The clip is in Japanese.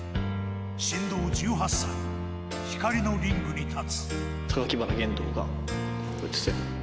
神童１８歳、光のリングに立つ。